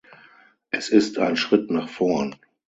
Es ist ein Schritt nach vorn.